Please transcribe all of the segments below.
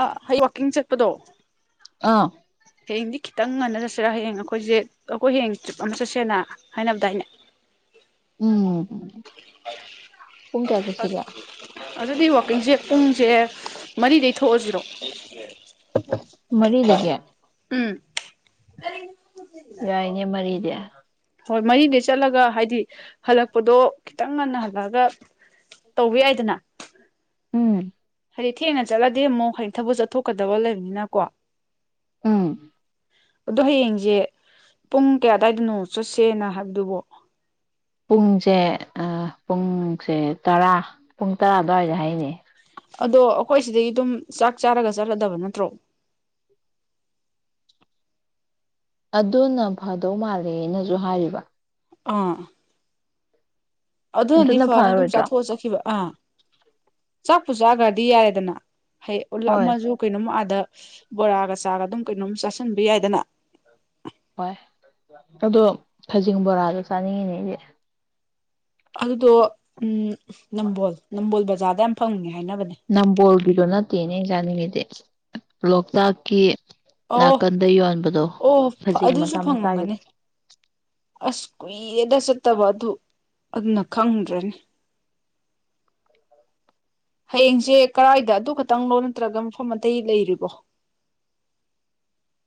ꯑ ꯍ ꯋꯥꯛꯀꯤꯡ ꯆꯠꯄꯗꯣ ꯑꯥ ꯍꯌꯦꯡꯗꯤ ꯈꯤꯇꯪ ꯉꯟꯅ ꯆꯠꯁꯤꯔꯥ ꯍꯌꯦꯡ ꯑꯩꯈꯣꯏꯁꯦ ꯑꯩꯈꯣꯏ ꯍꯌꯦꯡ ꯇꯔꯤꯞ ꯑꯃ ꯆꯠꯁꯦꯅ ꯍꯥꯏꯅꯕꯗꯥꯏꯅꯦ ꯎꯝ ꯄꯨꯡ ꯀꯌꯥ ꯆꯠꯁꯤꯒꯦ ꯑꯗꯨꯗꯤ ꯋꯥꯀꯤꯡ ꯁꯦ ꯄꯨꯡ ꯁꯦ ꯃꯔꯤꯗꯩꯩ ꯊꯣꯛꯑꯁꯤꯔꯣ ꯃꯔꯤꯗꯒꯤ ꯎꯝ ꯑ [inaudible] ꯍꯣꯏ ꯃꯔꯤꯗꯩ ꯆꯠꯂꯒ ꯍꯥꯏꯗꯤ ꯍꯜꯂꯛꯄꯗꯣ ꯈꯤꯇꯪ ꯉꯟꯅ ꯍꯜꯂꯛꯑꯒ ꯇꯧꯕ ꯌꯥꯏꯗꯅ꯫ ꯎꯝ ꯍꯥꯏꯗꯤ ꯊꯦꯡꯅ ꯆꯠꯂꯗꯤ ꯑꯃꯨꯛ ꯍꯥꯏꯗꯤ ꯊꯕꯛ ꯆꯠꯊꯣꯛꯀꯗꯕ ꯂꯩꯕꯅꯤꯅꯀꯣ꯫ ꯎꯝ꯫ ꯑꯗꯣ ꯍꯌꯦꯡꯁꯦ ꯄꯨꯡ ꯀꯌꯥꯗꯥꯋꯥꯏꯗꯅꯣ ꯆꯠꯁꯦꯅ ꯍꯥꯏꯕꯗꯨꯕꯣ? ꯄꯨꯡꯁꯦ ꯄꯨꯡꯁꯦ ꯇꯔꯥ ꯄꯨꯡ ꯇꯔꯥ ꯑꯗꯨꯋꯥꯏꯗ ꯍꯥꯏꯅꯦ꯫ ꯍꯣꯏ ꯁꯤꯗꯒꯤ ꯑꯗꯨꯝ ꯆꯥꯛ ꯆꯥꯔꯒ ꯆꯠꯂꯗꯕ ꯅꯠꯇ꯭ꯔꯣ? ꯑꯗꯨꯅ ꯐꯗꯧ ꯃꯥꯜꯂꯦꯅꯁꯨ ꯍꯥꯏꯔꯤꯕ꯫ ꯑꯥ꯫ ꯑꯗꯨꯅꯗꯤ ꯑꯗꯨꯅ ꯐꯅꯤ ꯑꯗꯨꯝ ꯐꯔꯣꯏꯗ꯭ꯔꯣ ꯆꯥꯊꯣꯛꯑ ꯆꯠꯈꯤꯕ ꯑꯥ꯫ ꯆꯥꯛꯄꯨ ꯆꯥꯈ꯭ꯔꯗꯤ ꯌꯥꯔꯦꯗꯅ꯫ ꯍꯌꯦ ꯎꯂꯥꯞ ꯍꯣꯏ ꯑꯃꯁꯨ ꯀꯩꯅꯣꯃ ꯑꯥꯗ ꯕꯣꯔꯥꯒ ꯆꯥꯒ ꯑꯗꯨꯝ ꯀꯩꯅꯣꯝ ꯆꯥꯁꯤꯟꯕ ꯌꯥꯏꯗꯅ꯫ ꯍꯣꯏ ꯑꯗꯣ ꯈꯖꯤꯡ ꯕꯣꯔꯥꯗꯨ ꯆꯥꯅꯤꯡꯉꯤꯅꯦ ꯑꯩꯗꯤ꯫ ꯑꯗꯨꯗꯣ ꯎꯝ ꯅꯝꯕꯣꯜ ꯅꯝꯕꯣꯜꯗ [unintelligible] ꯐꯪꯉꯦ꯫ ꯍꯥꯏꯅꯕꯅꯦ ꯅꯝꯕꯑꯣꯜꯒꯤꯗꯣ ꯅꯥꯠ ꯇꯦꯅꯦ ꯑꯩꯅ ꯆꯥꯅꯤꯡꯉꯤꯗꯤ ꯂꯣꯛꯇꯥꯛꯀꯤ ꯑꯣ ꯅꯥꯀꯟꯗ ꯌꯣꯟꯕꯗꯣ ꯑꯣ ꯈꯖꯤꯡ ꯑꯗꯨꯁꯨ ꯃꯆꯥ ꯃꯆꯥꯒꯤꯗꯣ ꯐꯪꯉꯝꯒꯅꯤ ꯑꯁ ꯀꯨꯏ ꯌꯦꯗ ꯆꯠꯇꯕ ꯑꯗꯨ ꯑꯗꯨꯅ ꯈꯪꯗ꯭ꯔꯅꯤ꯫ ꯍꯌꯦꯡꯁꯦ ꯀꯔꯥꯏꯗ ꯑꯗꯨ ꯈꯛꯇꯪꯅꯣ ꯅꯠꯇ꯭ꯔꯒ ꯃꯐꯝ ꯑꯇꯩ ꯂꯩꯔꯤꯕꯣ?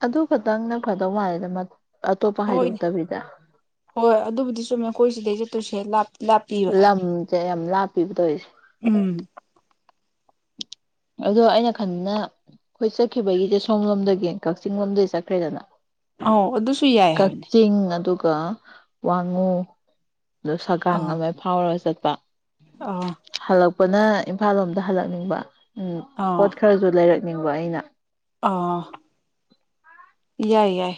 ꯑꯗꯨ ꯈꯛꯇꯪ ꯅ ꯐꯗꯧ ꯃꯜꯂꯦꯗꯥ ꯍꯣꯏꯅꯦ ꯍꯣꯏ ꯑꯗꯨꯕꯨꯗꯤ ꯆꯨꯝꯃꯤ ꯑꯩꯈꯣꯏ ꯁꯤꯗꯩ ꯆꯠꯇꯣꯏꯁꯤ [unintelligible] ꯂꯝꯁꯦ ꯌꯥꯝ ꯂꯥꯞꯄꯤꯕ ꯇꯧꯔꯤꯁꯦ꯫ ꯎꯝ ꯑꯗꯣ ꯑꯩꯅ ꯈꯟꯕꯅ ꯑꯩꯈꯣꯏ ꯆꯠꯈꯤꯕꯒꯤꯁꯦ ꯁꯣꯝ ꯂꯣꯝꯗꯒꯤ ꯀꯛꯆꯤꯡ ꯂꯣꯝꯗꯒꯤ ꯆꯠꯈ꯭ꯔꯦꯗꯅ ꯑ ꯑꯗꯨꯁꯨ ꯌꯥꯏ ꯍꯥꯏꯕꯅꯤ꯫ ꯀ ꯋꯥꯉꯨ ꯑꯗꯨ ꯁꯒꯥꯡ ꯑꯃ ꯐꯥꯎꯔꯒ ꯆꯠ ꯄ꯫ ꯑ꯫ ꯄꯅ ꯏꯝꯐꯥꯜ ꯂꯣꯝꯗ ꯍꯜꯂꯛꯅꯤꯡꯕ꯫ ꯎꯝ ꯑꯥ ꯄꯣꯠ ꯈꯔꯁꯨ ꯂꯩꯔꯛ ꯅꯤꯡꯕ ꯑꯩꯅ ꯑꯥ꯫ ꯌꯥꯏ - ꯌꯥꯏ꯫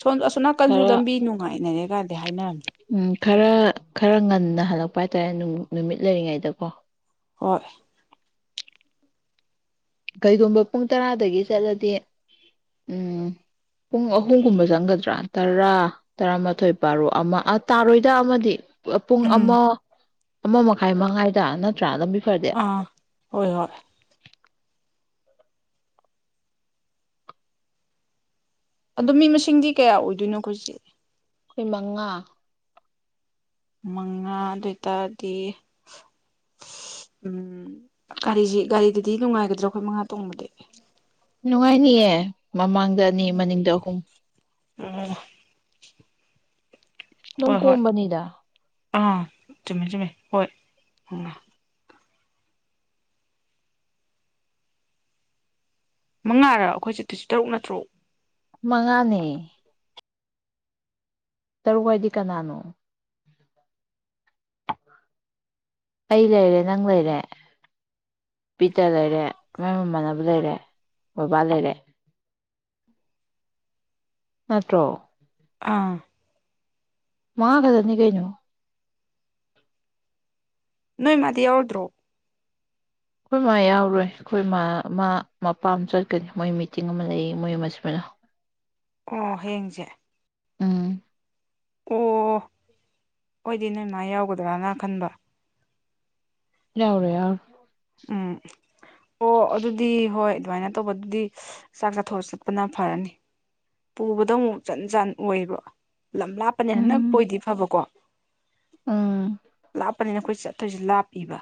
ꯁꯣꯝ ꯑꯁꯣꯅꯥꯀꯟꯁꯨꯨ ꯈꯔ ꯂꯝꯕꯤ ꯅꯨꯡꯉꯥꯏꯅꯔꯦ ꯀꯥꯏꯗꯤ ꯍꯥꯏꯅꯔꯝꯅꯤ꯫ ꯎꯝ ꯈꯔ - ꯈꯔ ꯉꯟꯅ ꯍꯜꯂꯛꯄ ꯍꯥꯏꯇꯥꯔꯦ ꯅꯨꯃꯤꯠ ꯂꯩꯔꯤꯉꯩꯗꯀꯣ꯫ ꯍꯣꯏ ꯀꯩꯒꯨꯝꯕ ꯄꯨꯡ ꯇꯔꯥꯗꯒꯤ ꯆꯠꯂꯗꯤ ꯎꯝ ꯄꯨꯡ ꯑꯍꯨꯝꯒꯨꯝꯕ ꯆꯪꯒꯗ꯭ꯔꯥ ꯇꯔꯥ ꯇꯔꯥꯃꯥꯊꯣꯏ ꯥꯔꯨꯛ ꯑꯃ ꯇꯥꯔꯣꯏꯗ ꯑꯃꯗꯤ ꯄꯨꯡ ꯎꯝ ꯑꯃ ꯑꯃ ꯃꯈꯥꯏ ꯃꯉꯥꯏꯗ ꯅꯠꯇ꯭ꯔꯥ ꯐꯔꯗꯤ ꯑꯥ ꯍꯣꯏ ꯍꯣꯏ ꯑꯗꯣ ꯃꯤ ꯃꯁꯤꯡꯗꯤ ꯀꯌꯥ ꯑꯣꯏꯗꯣꯏꯅꯣ ꯑꯩꯈꯣꯏꯖꯤꯦ ꯑꯩꯈꯣꯏ ꯃꯉꯥ ꯃꯉꯥ ꯑꯗꯨ ꯑꯣꯏꯇꯥꯔꯗꯤ ꯎꯝ ꯒꯥꯔꯤꯁꯤ ꯒꯥꯔꯤꯗꯨꯗꯤ ꯅꯨꯡꯉꯥꯏꯒꯗ꯭ꯔꯣ ꯑꯩꯈꯣꯏ ꯃꯉꯥ ꯇꯣꯡꯕꯗꯤ ꯅꯨꯡꯉꯥꯏꯅꯤꯌꯦ ꯃꯃꯥꯡꯗ ꯑꯅꯤ ꯃꯅꯤꯡꯗ ꯑꯍꯨꯝ ꯑ ꯅꯪ ꯀꯣꯝꯕꯅꯤꯗ ꯑꯥ ꯆꯨꯝꯃꯦ ꯆꯨꯝꯃꯦ ꯍꯣꯏ ꯎꯝ ꯃꯉꯥꯔ ꯑꯩꯈꯣꯏ ꯆꯦ ꯇꯨꯁ ꯇꯔꯨꯛ ꯅꯠꯇ꯭ꯔꯣ ꯃꯉꯥꯅꯦ ꯇꯔꯨꯛꯋꯥꯏꯗꯤ ꯀꯅꯥꯅꯣ ꯑꯩ ꯂꯩꯔꯦ ꯅꯪ ꯂꯩꯔꯦ ꯄꯤꯇ ꯂꯩꯔꯦ ꯃ ꯃꯃꯥꯟꯅꯕ ꯂꯩꯔꯦ ꯕꯕꯥ ꯂꯩꯔꯦ ꯅꯠꯇ꯭ꯔꯣ ꯑꯥ ꯃꯥ ꯀꯗꯅꯤ ꯀꯩꯩꯅꯣ ꯅꯣꯏ ꯃꯥꯗꯤ ꯌꯥꯎꯗ꯭ꯔꯣ ꯑꯩꯈꯣꯏ ꯃꯥ ꯌꯥꯎꯔꯣꯏ ꯑꯩꯈꯣꯏ ꯏ ꯃꯥ ꯃꯥ ꯃꯄꯥꯝ ꯆꯠꯀꯅꯤ ꯃꯣꯏ ꯃꯤꯇꯤꯡ ꯑꯃ ꯂꯩ ꯃꯣꯏ ꯑꯃꯃꯅ ꯑꯣ ꯍꯌꯦꯡꯁꯦ ꯎꯝ ꯑꯣ ꯑꯣꯏꯣꯏꯗꯤ ꯅꯣꯏꯃ ꯌꯥꯎꯒꯗ꯭ꯔꯅ ꯈꯟꯕ ꯌꯥ ꯌꯥꯎꯔ ꯌꯥ ꯎꯝ ꯑꯣ ꯑꯗꯨꯗꯤ ꯍꯣꯏ ꯑꯗꯨꯃꯥꯏꯅ ꯇꯧꯕ ꯑꯗꯨꯗꯤ ꯆꯥꯛ ꯆꯥꯊꯣꯛꯑ ꯆꯠꯄꯅ ꯐꯔꯅꯤ ꯄꯨꯕꯗ ꯑꯃꯨꯛ ꯆꯟ ꯆꯟ ꯑꯣꯏꯕ ꯂꯝ ꯂꯥꯞꯄꯅꯦ ꯍꯟꯗꯛꯄ ꯑꯣꯏꯗꯤ ꯐꯕꯀꯣ ꯑꯝ ꯀꯞꯄꯅꯤꯅ ꯑꯩꯈꯣꯏꯊꯣꯏꯁꯦ ꯂꯥꯞꯏꯕ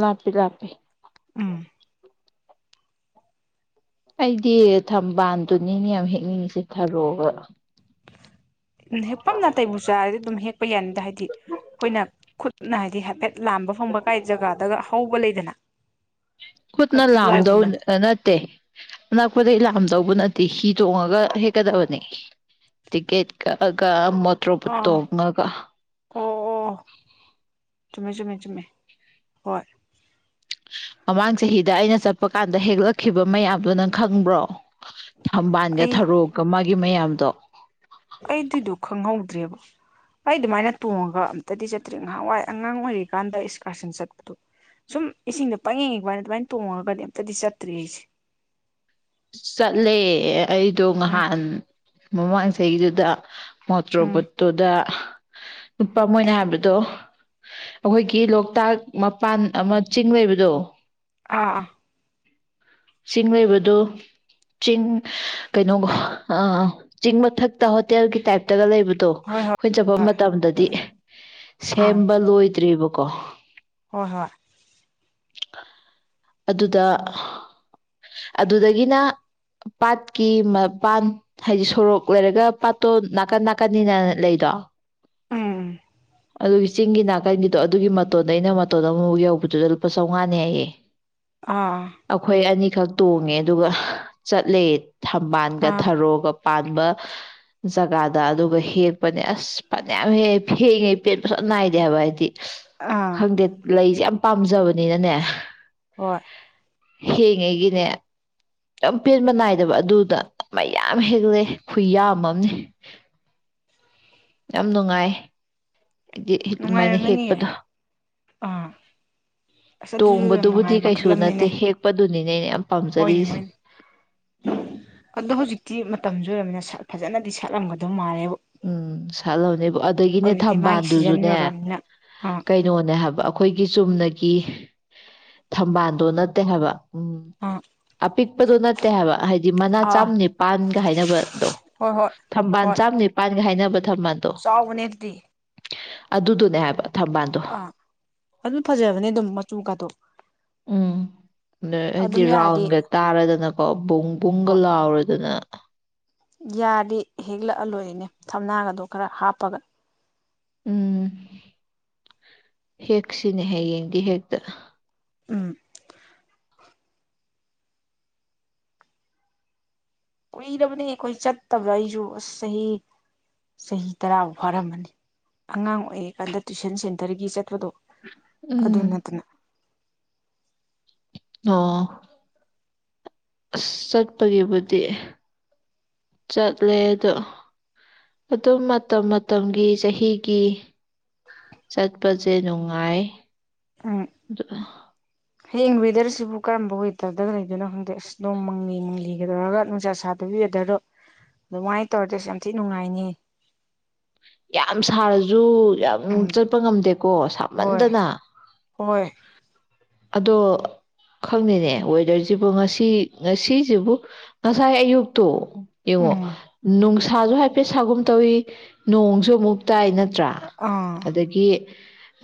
ꯂꯥꯛꯄꯤ ꯂꯥꯛꯄꯤ ꯎꯝ ꯑꯩꯗꯤ ꯊꯝꯕꯥꯜꯗꯨꯅꯤꯅꯦ ꯌꯥꯝ ꯍꯦꯛꯅꯤꯡꯉꯤꯁꯦ ꯊꯔꯣꯒ ꯍꯦꯛꯄꯝ ꯅꯥꯇꯩꯕꯨ ꯆꯥꯔꯗꯤ ꯑꯗꯨꯝ ꯍꯦꯛꯄ ꯌꯥꯅꯤꯗ ꯍꯥꯏꯗꯤ ꯑꯩꯈꯣꯏꯅ ꯈꯨꯠ ꯅꯥ ꯍꯥꯏꯗꯤ ꯍꯥꯏꯐꯦꯠ ꯂꯥꯟꯕ ꯐꯪꯕ ꯀꯥꯏ ꯖꯒꯥꯗꯒ ꯍꯧꯕ ꯂꯩꯗꯅ ꯈꯨꯠꯅ ꯂꯥꯝꯗꯧ ꯑꯗꯨꯋꯥꯏꯒꯨꯝꯕꯗ ꯅꯠꯇꯦ ꯇꯤ ꯍꯤ ꯇꯣꯡꯉꯒ ꯍꯦꯛꯀꯗꯕꯅꯤ ꯇꯤꯛꯀꯦꯠ ꯀꯛꯑꯒ ꯃꯣꯇ꯭ꯔꯣꯕꯨ ꯑꯥ ꯇꯣꯉꯒ ꯃꯤ ꯆꯃꯦ ꯆꯃꯦ ꯍꯣꯏ ꯃꯃꯥꯡ ꯆꯍꯤꯗ ꯑꯩꯅ ꯆꯠꯄ ꯀꯥꯟꯗ ꯍꯦꯛꯂꯛꯈꯤꯕ ꯃꯌꯥꯝꯗꯨ ꯅꯪ ꯈꯪꯕ꯭ꯔꯣ ꯍꯝꯕꯥꯜꯒ ꯑꯩ ꯊꯔꯣꯛꯀ ꯃꯥꯒꯤ ꯌꯨꯝ ꯃꯌꯥꯝꯗꯣ ꯑꯩ ꯗꯨꯗꯣ ꯈꯪꯍꯧꯗ꯭ꯔꯦꯕ ꯑꯩ ꯑꯗꯨꯃꯥꯏꯅ ꯇꯣꯡꯉꯒ ꯑꯝꯇꯗꯤ ꯆꯠꯇ꯭ꯔꯤ ꯉꯥꯏꯍꯥꯟꯋꯥꯏ ꯑꯉꯥꯡ ꯑꯣꯏꯔꯤꯀꯥꯟꯗ ꯏꯁꯀꯥꯔꯁꯟ ꯆꯠꯄꯗꯣ ꯁꯨꯝ ꯏꯁꯤꯡꯗ [unintelligible] ꯑꯗꯨꯃꯥꯏꯅ ꯇꯣꯡꯉꯒꯗꯤ ꯑꯝꯇꯗꯤ ꯆꯠꯇ꯭ꯔꯤ ꯑꯩꯖꯦ꯫ ꯆꯠꯂꯦ ꯑꯩꯗꯣ ꯑ ꯉꯍꯥꯟ ꯃꯃꯥꯡ ꯆꯍꯤꯗꯨꯗ ꯎꯝ ꯃꯣꯇ꯭ꯔꯣꯕꯨꯠꯇꯨꯗ ꯂꯨꯄꯥ ꯃꯣꯢꯏꯅ ꯍꯥꯏꯕꯗꯣ ꯑꯩꯈꯣꯏꯒꯤ ꯂꯣꯛꯇꯥꯛ ꯃꯄꯥꯟ ꯑꯃ ꯆꯤꯡ ꯂꯩꯕꯗꯣ ꯑꯥ ꯑ꯫ ꯆꯤꯡ ꯂꯩꯕꯗꯣ ꯆꯤꯡ ꯀꯩꯅꯣꯒ [unintelligible] ꯆꯤꯡ ꯃꯊꯛꯇ ꯍꯣꯇꯦꯜꯒꯤ ꯇꯥꯏꯞꯇꯒ ꯂꯩꯕ ꯇꯣ ꯍꯣꯏ ꯍꯣꯏ ꯑꯩꯈꯣꯏ ꯆꯠꯄ ꯃꯇꯝꯗꯗꯤ ꯑꯥ ꯁꯦꯝꯕ ꯂꯣꯏꯗ꯭ꯔꯤꯕ ꯀꯣ ꯍꯣꯏ ꯍꯣꯏ꯫ [unintelligible] ꯑꯗꯨꯗ ꯑꯗꯨꯗꯒꯤꯅ ꯄꯥꯠꯀꯤ ꯃꯄꯥꯟ ꯍꯥꯏꯗꯤ ꯁꯣꯔꯣꯛ ꯂꯩꯔꯒ ꯄꯥꯠꯇꯣ ꯅꯥꯀꯟ ꯅꯥꯀꯟꯅꯤꯅ ꯂꯩꯗꯣ ꯎꯝ꯫ ꯑꯗꯨꯒꯤ ꯆꯤꯡꯒꯤ ꯅꯥꯀꯟꯒꯤꯗꯣ ꯑꯗꯨꯒꯤ ꯃꯇꯣꯟꯗꯩꯅ ꯃꯇꯣꯟꯗ ꯑꯃꯕꯨꯛ ꯌꯧꯕꯗꯨꯗ ꯂꯨꯄꯥ ꯆꯧꯉꯥꯅꯦꯌꯦ꯫ ꯑꯥ ꯑꯩꯈꯣꯏ ꯑꯅꯤ ꯈꯛ ꯇꯣꯡꯉꯦ ꯑꯗꯨꯒ ꯆꯠꯂꯦ ꯊꯝꯕꯥꯜꯒ ꯑꯥ ꯊꯔꯣꯒ ꯄꯥꯟꯕ ꯖꯒꯥꯗ ꯑꯗꯨꯒ ꯍꯦꯛꯄꯅꯦ ꯑꯁ ꯐꯅꯌꯥꯝ ꯍꯦꯛꯑꯦ ꯐꯦꯡꯉꯦ ꯄꯦꯟꯕ [unintelligible] ꯅꯥꯏꯗꯦꯕ ꯍꯥꯏꯕ ꯑꯩꯗꯤ꯫ ꯑꯥ ꯈꯪꯗꯦ ꯂꯩ ꯌꯥꯝ ꯄꯥꯝꯖꯕꯅꯤꯅꯅꯦ ꯍꯣꯏ꯫ ꯍꯦꯛꯏꯉꯩꯒꯤꯅꯦ [unintelligible] ꯄꯦꯟꯕ ꯅꯥꯏꯗꯕ ꯑꯗꯨꯗ ꯃꯌꯥꯝ ꯍꯦꯜꯂꯛꯑꯦ ꯈꯨꯌꯥꯝꯑꯝꯅꯤ꯫ ꯌꯥꯝ ꯅꯨꯡꯉꯥꯏ [unintelligible] ꯑꯗꯨꯃꯥꯏꯅ ꯅꯨꯡꯉꯥꯏꯔꯝꯒꯅꯤꯌꯦ ꯍꯦꯛꯄꯗ ꯑꯥ ꯑꯁ ꯑꯗꯨꯁꯨ ꯌꯥꯝ ꯅꯨꯡꯉꯥꯏ ꯇꯣꯡꯕꯗꯨꯕꯨꯗꯤ ꯀꯩꯁꯨ ꯃꯈꯜ ꯅꯠꯇꯦ ꯑꯃꯅꯤꯅꯦ ꯍꯦꯛꯄ [unintelligible] ꯍꯣꯏꯅꯦ ꯍꯣꯏꯅꯦ ꯑꯗꯣ ꯍꯧꯖꯤꯛꯇꯤ ꯃ ꯇꯝꯖꯨ ꯑꯣꯢꯔꯃꯤꯅ ꯁꯥꯠ ꯐꯖꯅꯗꯤ ꯁꯥꯠꯂꯝꯃꯗꯧ ꯃꯥꯜꯂꯦ꯫ ꯎꯝ ꯁꯠꯂꯕꯅꯦ ꯑꯗꯒꯤꯅꯦ ꯍꯧꯖꯤꯛꯇꯤ ꯃꯥꯒꯤ ꯁꯤꯖꯟ ꯊꯝꯕꯥꯜꯗꯨꯖꯨꯅꯦ ꯌꯧꯔꯛꯑꯕꯅꯤꯅ ꯑꯥ ꯀꯩꯅꯣꯅꯦ ꯍꯥꯏꯕ ꯑꯩꯈꯣꯏꯒꯤ ꯆꯨꯝꯅꯒꯤ ꯊꯝꯕꯥꯟꯗꯣ ꯅꯠꯇꯦ ꯍꯥꯏꯕ ꯎꯝ ꯑꯥ ꯑꯄꯤꯛꯄꯗꯣ ꯅꯠꯇꯦ ꯍꯥꯏꯕ ꯍꯥꯏꯗꯤ ꯃꯅꯥ ꯑꯥ ꯆꯥꯝ ꯅꯤꯄꯥꯟꯒ ꯍꯥꯏꯅꯕꯗꯣ ꯍꯣꯏ ꯍꯣꯏ ꯊꯝꯕꯥꯟ ꯍꯣꯏ ꯆꯥꯝꯅꯤ [unintelligible] ꯆꯥꯎꯕꯅꯦ ꯑꯗꯨꯗꯤ꯫ ꯑꯗꯨꯗꯨꯅꯦ ꯍꯥꯏꯕ꯫ ꯊꯝꯕꯥꯜꯗꯣ ꯑꯥ ꯑꯗꯨ ꯐꯖꯕꯅꯦ ꯑꯗꯨꯝ ꯃꯆꯨ ꯀꯥꯇꯣ꯫ ꯎꯝ ꯑꯗꯩꯩ ꯍꯥꯏꯗꯤ ꯔꯥꯎꯟꯒ ꯇꯥꯔꯗꯅꯀꯣ ꯕꯨꯡ ꯄꯨꯡꯒ ꯍꯣꯏ ꯂꯥꯎꯔꯗꯅ ꯅ ꯌꯥꯔꯗꯤ ꯍꯦꯛꯂꯛꯑ ꯂꯣꯏꯔꯅꯦ ꯊꯝꯅꯥꯒꯗꯣ ꯈꯔ ꯍꯥꯞꯄꯒ ꯎꯝ ꯍꯦꯛꯁꯤꯅꯦ ꯍꯌꯦꯡꯗꯤ ꯍꯦꯛꯇ ꯎꯝ ꯀꯨꯏꯔꯕꯅꯤ ꯑꯩꯈꯣꯏ ꯆꯠꯇꯕ꯭ꯔꯥ ꯑꯩꯁꯨ ꯑꯁ ꯆꯍꯤ ꯆꯍꯤ ꯇꯔꯥꯃꯨꯛ ꯐꯥꯔꯝꯃꯅꯤ ꯑꯉꯥꯡ ꯑꯣꯏꯔꯤꯀꯥꯟꯗ ꯇꯨꯏꯁꯟ ꯁꯦꯟꯇꯔꯒꯤ ꯆꯠꯄꯗꯣ ꯑꯗꯨ ꯎꯝ ꯅꯠꯇꯅ ꯑꯣ ꯑꯁ ꯆꯠꯄꯒꯤꯕꯨꯗꯤ ꯆꯠꯂꯦ ꯑꯗꯣ ꯑꯗꯨꯝ ꯃꯇꯝ ꯃꯇꯝꯒꯤ ꯆꯍꯤꯒꯤ ꯆꯠꯄꯁꯦ ꯅꯨꯡꯉꯥꯏ ꯎꯝ ꯑꯗ ꯍꯌꯦꯡ ꯋꯦꯗꯔꯁꯤꯕꯨ ꯀꯔꯝꯕ ꯋꯦꯗꯔꯗ ꯂꯩꯗꯣꯏꯅꯣ ꯈꯪꯗꯦ ꯑꯁ ꯅꯝ ꯃꯪꯂꯤ ꯃꯪꯂꯤꯒꯗꯧꯔꯒ ꯅꯨꯡꯁꯥ ꯁꯥꯗꯕꯤ ꯋꯦꯗꯔꯗꯣ ꯑꯗꯨꯃꯥꯏꯅ ꯇꯧꯔꯗꯤ ꯑꯁ ꯌꯥꯝ ꯊꯤ ꯅꯨꯡꯉꯥꯏꯅꯤ ꯌꯥꯝ ꯁꯥꯔꯁꯨ ꯌꯥꯝ ꯎꯝ ꯆꯠꯄ ꯉꯝꯗꯦꯀꯣ ꯍꯣꯏ ꯁꯥꯃꯟꯗꯅ ꯍꯣꯏ ꯑꯗꯣ ꯈꯪꯅꯤꯅꯦ ꯋꯦꯗꯔꯁꯤꯕꯨ ꯉꯁꯤ ꯉꯁꯤꯁꯤꯕꯨ ꯉꯁꯥꯏ ꯑꯌꯨꯛꯇꯣ ꯌꯦꯡꯉꯣ ꯎꯝ ꯅꯨꯡꯁꯥ ꯁꯥꯁꯨ ꯍꯥꯏꯐꯦꯠ ꯁꯥꯒꯨꯝ ꯇꯧꯏ ꯅꯣꯡꯁꯨ ꯑꯃꯨꯛ ꯇꯥꯏ ꯅꯠ ꯅꯠꯇ꯭ꯔꯥ ꯑꯥ ꯑꯗꯒꯤ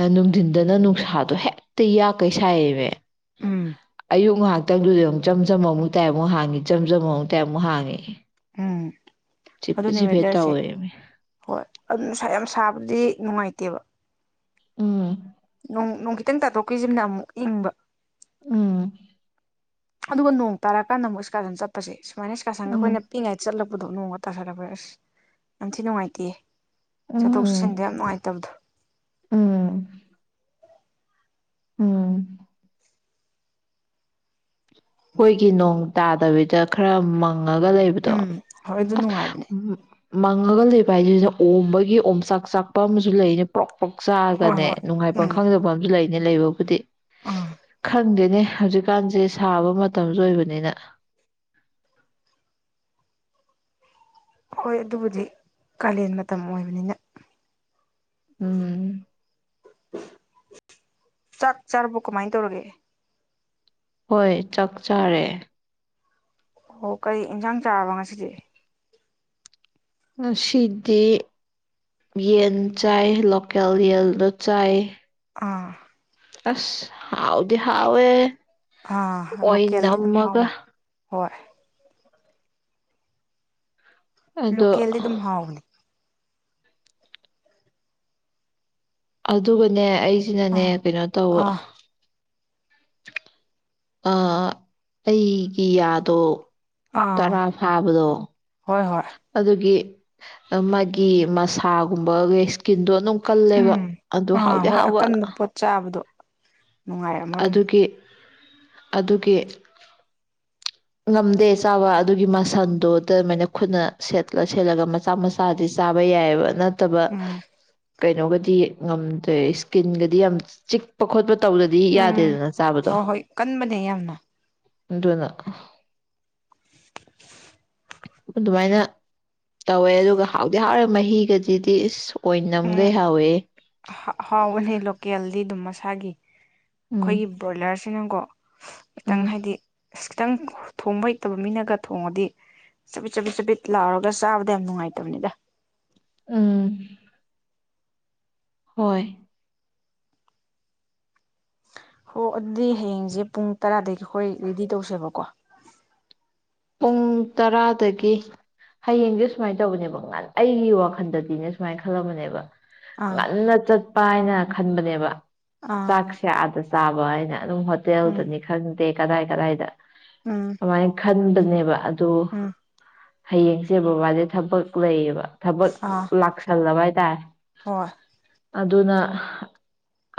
ꯑ ꯅꯨꯡꯊꯤꯟꯗꯅ ꯅꯨꯡꯁꯥꯗꯣ ꯍꯦꯛꯇ ꯌꯥꯛꯈꯩ ꯁꯥꯏꯌꯦꯃꯤ ꯎꯝ ꯑꯌꯨꯛ ꯉꯥꯛꯇꯪꯗꯨꯗ ꯑꯃꯨꯛ ꯆꯝ ꯑꯃꯨꯛ ꯇꯥꯏ ꯑꯃꯨꯛ ꯍꯥꯡꯉꯤ ꯆꯝ ꯆꯝ ꯑꯃꯨꯛ ꯇꯥꯏ ꯑꯃꯨꯛ ꯍꯥꯡꯉꯤ ꯎꯝ ꯆꯤꯐꯦꯠ ꯑꯗꯨꯅꯦ ꯆꯤꯐꯦꯠ ꯋꯦꯗꯔꯁꯦ ꯇꯧꯋꯦꯃꯤ ꯍꯣꯏ ꯑꯗꯨ ꯌꯥꯝ ꯁꯥꯕꯗꯤ ꯅꯨꯡꯉꯥꯏꯇꯦꯕ ꯎꯝ ꯅꯣꯡ ꯈꯤꯇꯪ ꯇꯥꯊꯣꯛꯈꯤꯕꯁꯤꯅ ꯑꯃꯨꯛ ꯏꯪꯕ ꯎꯝ ꯑꯗꯨꯒ ꯅꯣꯡ ꯇꯥꯔꯀꯥꯟꯗ ꯑꯃꯨꯛ ꯏꯁꯀꯥꯗꯟ ꯆꯠꯄꯁꯦ ꯁꯨꯃꯥꯏꯅ ꯏꯁꯀꯁꯥꯡꯒ ꯎꯝ ꯈꯣꯏꯅ ꯄꯤꯛꯏꯉꯥꯏꯗ ꯆꯠꯂꯛ ꯄꯨꯗꯣꯛ ꯅꯣꯡꯒ ꯇꯥꯁꯟꯂꯛꯄꯩ ꯑꯁ ꯌꯥꯝ ꯊꯤ ꯅꯨꯡꯉꯥꯏꯇꯦ ꯎꯝ ꯆꯠꯊꯣ ꯛ ꯎꯝ ꯆꯠꯁꯤꯟꯗ ꯌꯥꯝ ꯅꯨꯡꯉꯥꯏꯇꯕꯗꯣ ꯎꯝ ꯎꯝ ꯑꯩꯈꯣꯏꯒꯤ ꯅꯣꯡ ꯇꯥꯗꯕꯤꯗ ꯈꯔ ꯐꯪꯉꯒ ꯂꯩꯕꯗꯣ ꯎꯝ ꯍꯣꯏ ꯑꯗꯨ ꯑꯁ ꯅꯨꯡꯉꯥꯏꯕꯅꯦ ꯎ ꯃꯪꯉꯒ ꯂꯩꯕ ꯍꯥꯏꯁꯤꯁꯤꯅ ꯑꯣꯝꯕꯒꯤ ꯑꯣ ꯆꯥꯛ ꯆꯥꯛꯄ ꯑꯃꯁꯨ ꯂꯩꯅꯦ ꯄ꯭ꯔꯣꯛ ꯄꯣꯛ ꯍꯣꯏ ꯆꯥꯔꯒꯅꯦ ꯍꯣꯏ ꯅꯨꯡꯉꯥꯏꯐꯝ ꯈꯪꯗꯕ ꯑꯃꯁꯨ ꯂꯩ ꯑ ꯂꯩꯕꯕꯨꯗꯤ ꯑꯥ ꯈꯪꯗꯦꯅꯦ ꯍꯧꯖꯤꯛꯀꯥꯟꯁꯦ ꯊꯥꯕ ꯃꯇꯝꯁꯨ ꯑꯣꯏꯕꯅꯤꯅ ꯍꯣꯏ ꯑꯗꯨꯕꯨꯗꯤ ꯀꯥꯂꯦꯟ ꯃꯇꯝ ꯑꯣꯏꯕꯅꯤꯅ ꯎꯝ ꯆꯥꯛ ꯆꯥꯔꯕꯣ ꯀꯃꯥꯏ ꯇꯧꯔꯒꯦ ꯍꯣꯏ ꯆꯥꯛ ꯆꯥꯔꯦ ꯑꯣ ꯀꯔꯤ ꯏꯟꯁꯥꯡ ꯆꯥꯔꯕ ꯉꯁꯤꯗꯤ ꯉꯥꯁꯤꯗꯤ ꯌꯦꯟ ꯆꯥꯏ ꯂꯣꯀꯦꯜ ꯌꯦꯟꯗꯣ ꯆꯥꯏ ꯑꯥ ꯑꯁ ꯍꯥꯎꯗꯤ ꯍꯥꯎꯋꯦ ꯑꯥ ꯑꯣꯏ ꯂꯣꯀꯦꯜ ꯗꯤ ꯗꯨꯝ ꯅꯝꯃꯒ ꯍꯥꯥꯎꯕꯅꯤ ꯍꯣꯏ ꯑꯗꯣ ꯂꯣꯂꯦꯜ ꯗꯤ ꯑꯗꯨꯝ ꯍꯥꯎꯕꯅꯦ ꯑꯗꯨꯒꯅꯦ ꯑꯩꯁꯤꯅꯅꯦ ꯑꯥ ꯀꯩꯅꯣ ꯇꯧ ꯑꯥ ꯑ ꯑꯩꯒꯤ ꯌꯥꯗꯣ ꯑꯥ ꯇꯔꯥ ꯐꯥꯕꯗꯣ ꯍꯣꯏ ꯍꯣꯏ ꯑꯗꯨꯒꯤ ꯃꯥꯒꯤ ꯃꯁꯥꯒꯨꯝꯕ ꯏꯁꯀꯤꯟꯗꯣ ꯑꯗꯨꯝ ꯀꯜꯂꯦꯕ ꯎꯝ ꯑꯗꯨ ꯑꯥ ꯍꯥꯎꯗꯤ ꯍꯣꯏ ꯍꯥꯎꯕ ꯅꯨꯡꯉꯥꯏꯝꯃ ꯔꯣꯏ ꯅꯤ ꯑꯗꯨꯒꯤ ꯑꯗꯨꯒꯤ ꯉꯝꯗꯦ ꯆꯥꯕ ꯑꯗꯨꯒꯤ ꯃꯁꯟꯗꯨꯣ ꯑꯗꯨꯃꯥꯏꯅ ꯈꯨꯠꯅ ꯁꯦꯠꯂ ꯁꯦꯠꯂꯒ ꯃꯆꯥ ꯃꯆꯥꯗꯤ ꯆꯥꯕ ꯌꯥꯏꯌꯦꯕ ꯇꯕ ꯎꯝ ꯀꯩꯅꯣꯒꯗꯤ ꯉꯝꯗꯦ ꯏꯁ꯭ꯀꯤꯟꯒꯗꯤ ꯌꯥꯝ ꯆꯤꯛꯄ ꯈꯣꯠꯄ ꯇꯧꯗꯗꯤ ꯎꯝ ꯌꯥꯗꯦꯗꯅ ꯆꯥꯕꯗꯣ ꯍꯣꯏ ꯍꯣꯏ ꯀꯟꯕꯅꯦ ꯌꯥꯝꯅ ꯏꯅ [inaudible] ꯑꯗꯨꯃꯥꯏꯅ ꯇꯧꯋꯦ ꯑꯗꯨꯒ ꯍꯥꯎꯗꯤ ꯍꯥꯎꯔꯦ ꯃꯍꯤꯒꯗꯨꯗꯤ ꯑꯥꯏ ꯅꯝꯒꯩ ꯍꯥꯎꯋꯦ ꯑꯣꯍꯩ ꯂꯣꯀꯦꯜꯗꯤ ꯑꯗꯨꯝ ꯃꯁꯥꯒꯤ ꯎꯝ ꯑꯩꯈꯣꯏꯒꯤ ꯕꫭꯂꯔ ꯁꯤ ꯅꯒꯣ ꯈꯤꯇꯪ ꯎꯝ ꯍꯥꯏꯗꯤ ꯑꯁ ꯈꯤꯇꯪ ꯊꯣꯡꯕ ꯍꯩꯇꯕ ꯃꯤꯅꯒ ꯊꯣꯡꯉꯗꯤ ꯆꯄꯤꯠ ꯆꯄꯤꯠ ꯆꯄꯤꯠ ꯂꯥꯎꯔꯒ ꯆꯥꯕꯗ ꯌꯥꯝ ꯅꯨꯡꯉꯥꯏꯇꯕꯅꯤꯗ ꯎꯝ ꯍꯣꯏ ꯍꯣ ꯑꯗꯨꯗꯤ ꯍꯌꯦꯡꯁꯦ ꯄꯨꯡ ꯇꯔꯥꯗꯒꯤ ꯑꯩꯈꯣꯏ ꯔꯦꯗꯤ ꯇꯧꯁꯦꯕꯀꯣ ꯄꯨꯡ ꯇꯔꯥꯗꯒꯤ ꯍꯌꯦꯡꯗꯤ ꯁꯨꯃꯥꯏꯅ ꯇꯧꯕꯅꯦꯕ ꯉꯥꯟ ꯑꯩꯒꯤ ꯋꯥꯈꯜꯗꯗꯤꯅꯦ ꯁꯨꯃꯥꯏꯅ ꯈꯜꯂꯝꯕꯅꯦꯕ ꯑꯥ ꯉꯟꯅ ꯆ ꯄꯥꯏꯅ ꯈꯟꯕꯅꯦꯕ ꯑꯥ ꯆꯥꯛꯁꯦ ꯑꯥꯗ ꯆꯥ ꯆꯥꯕ ꯍꯥꯏꯅ ꯑꯗꯨꯝ ꯎꯝ ꯍꯣꯇꯦꯜꯗꯅꯤ ꯈꯪꯗꯦ ꯀꯗꯥꯏ- ꯀꯗꯥꯏꯗ ꯎꯝ ꯑꯥꯏ ꯈꯟ [unintelligible] ꯑꯗꯨ ꯎꯝ ꯍꯌꯦꯡꯁꯦ ꯕꯕꯥꯗꯤ ꯊꯕꯛ ꯂꯩꯌꯦꯕ ꯊꯕꯛ ꯑꯥ ꯂꯥꯛꯁꯜꯂꯕ [unintelligible] ꯍꯣꯏ꯫ ꯑꯗꯨꯅ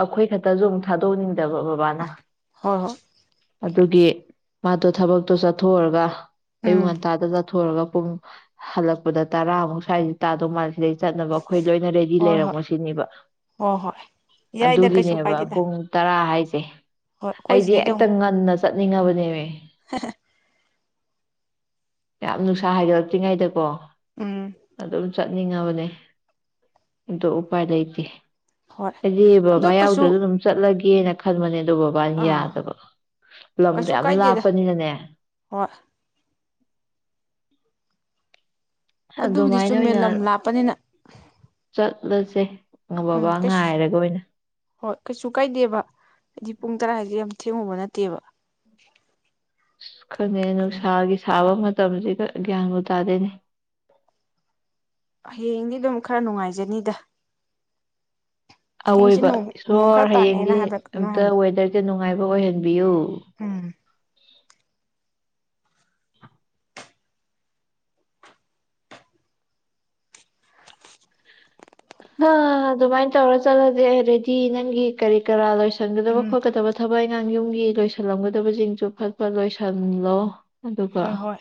ꯑꯩꯈꯣꯏ ꯈꯛꯇꯁꯨ ꯑꯃꯨꯛ ꯊꯥꯗꯣꯛꯅꯤꯡ ꯗꯕ ꯕꯥꯕꯥ ꯅꯥ ꯍꯣꯏ ꯍꯣꯏ ꯑꯗꯨꯒꯤ ꯃꯥꯗꯣ ꯊꯕꯛꯇꯣ ꯆꯠꯊꯣꯛꯑꯒ ꯑꯌꯨꯛ ꯎꯝ ꯉꯟꯇꯥꯅꯥ ꯆꯠ ꯊꯣꯀ ꯎꯔꯒꯥ ꯄꯨꯡ ꯍꯜꯂꯛꯄꯗ ꯇꯔꯥꯃꯨꯛ ꯁ꯭ꯋꯥꯏꯁꯤ ꯇꯥꯗꯧ ꯃꯥꯜꯂꯦ꯫ ꯁꯤꯗꯩ ꯆꯠꯅꯕ ꯑꯩꯈꯣꯏ ꯂꯣꯏꯅ ꯔꯦꯗꯤ ꯍꯣꯏ ꯍꯣꯏ ꯂꯩꯔꯝꯃꯣ ꯁꯤꯅꯤꯕ ꯍꯣꯏ ꯍꯣꯏ ꯌꯥꯏꯗ ꯀꯩꯁꯨ ꯑꯗꯨꯒꯤꯅꯦꯕ ꯀꯥꯏꯗꯦꯗ ꯄꯨꯡ ꯇꯔꯥ ꯍꯥꯏ ꯍꯣꯏ [unintelligible] ꯑꯩꯈꯣꯏ ꯑꯩꯗꯤ ꯁꯤꯗꯩꯗ ꯍꯦꯛꯇ ꯑꯃꯨꯛ ꯉꯟꯅ ꯆꯠꯅꯤꯡꯉꯕꯅꯦꯃꯤ꯫ ꯌꯥꯝ ꯅꯨꯡꯁꯥ ꯍꯥꯏꯗꯣꯔꯛꯇ꯭ꯔꯤꯉꯩꯗꯀꯣ ꯎꯝ ꯑꯗꯨꯝ ꯆꯠ ꯅꯤꯡꯉꯕꯅꯦ ꯑꯗꯣ ꯎꯄꯥꯏ ꯂꯩꯇꯦ꯫ ꯍꯣꯏ ꯑꯩꯆꯦ ꯑꯗꯨ ꯕꯕꯥ ꯀꯩꯁꯨ ꯌꯥꯎꯗ꯭ꯔꯁꯨ ꯑꯗꯨꯝ ꯆꯠꯂꯒꯦ [unintelligible] ꯑꯗꯨ ꯕꯕꯥꯅ ꯑꯥ ꯌꯥꯗꯕ ꯂꯝꯗꯣ ꯀꯩꯁꯨ ꯌꯥꯝ ꯀꯥꯏꯗꯦꯗ ꯂꯥꯞꯄꯅꯤꯅꯅꯦ ꯍꯣꯏ ꯑꯗꯨꯕꯨꯗꯤ ꯑꯗꯨꯃꯥꯏꯅ ꯆꯨꯝꯃꯦ ꯑꯣꯏꯅ ꯂꯝ ꯂꯥꯞꯄꯅꯤꯅ ꯑꯗꯨꯁꯦ ꯎꯝ ꯕꯕꯥ ꯀꯩꯁꯨ ꯉꯥꯏꯔꯒ ꯑꯣꯏꯅ ꯍꯣꯏ ꯀꯩꯁꯨ ꯀꯥꯏꯗꯦꯕ ꯍꯥꯏꯗꯤ ꯄꯨꯡ ꯇꯔꯥ ꯍꯥꯏꯁꯦ ꯌꯥꯝ ꯊꯦꯡꯉꯨꯕ ꯅꯠꯇꯦꯕ꯫ ꯑꯁ ꯈꯪꯗꯦꯅꯦ ꯅꯨꯡꯁꯥꯒꯤ ꯁꯥꯕ ꯃꯇꯝꯁꯤꯗ ꯒ꯭ꯌꯥꯟꯕꯨ ꯇꯥꯗꯦꯅꯦ꯫ ꯍꯌꯦꯡꯗꯤ ꯑꯗꯨꯝ ꯈꯔ ꯅꯨꯡꯉꯥꯏ ꯖꯅꯤꯗ ꯑꯋꯣꯏꯕ ꯏꯁꯣꯔ ꯍꯌꯦꯡꯗꯤ ꯍꯥꯏꯕ ꯀꯩꯅꯣ ꯑꯝꯇ ꯍꯥꯏꯕꯅꯤ ꯋꯦꯗꯔꯁ ꯅꯨꯡꯉꯥꯏꯕ ꯑꯣꯏꯍꯟꯕꯤꯌꯨ! ꯎꯝ ꯍꯥ ꯑꯗꯨꯃꯥꯏꯅ ꯇꯧꯔ ꯆꯠꯂꯖꯤ ꯗꯤ ꯅꯪꯒꯤ ꯀꯔꯤ- ꯀꯔꯥ ꯂꯣꯏꯁꯟ ꯁꯟꯒꯗꯕ ꯎꯝ ꯈꯣꯠꯀꯗꯕ ꯊꯕꯛ ꯑꯉꯥꯡ ꯌꯨꯝꯒꯤ ꯂꯣꯏꯁꯤꯜꯂꯝꯒꯗꯕꯁꯤꯡꯁꯨ ꯐꯠ ꯐ ꯂꯣꯏꯁꯤꯜꯂꯣ ꯑꯗꯨꯒ ꯍꯣꯏ ꯍꯣꯏ